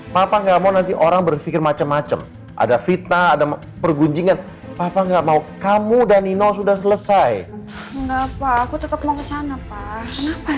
pak bagaimana nanti orang berpikir macem macem ada fitnah dan pergunjingan that apa enggak mau kamu dan nino sudah selesai enggak nya aku tetap mau kesana pas kenapa